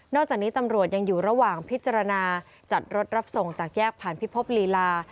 จากนี้ตำรวจยังอยู่ระหว่างพิจารณาจัดรถรับส่งจากแยกผ่านพิภพลีลา